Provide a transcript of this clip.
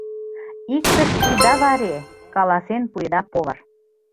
— Иктыш ида варе, — каласен пуэда повар.